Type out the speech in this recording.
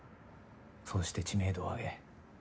そうして知名度を上げ